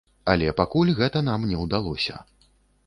Але пакуль гэта нам не ўдалося.